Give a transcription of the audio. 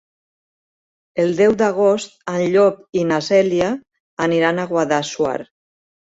El deu d'agost en Llop i na Cèlia aniran a Guadassuar.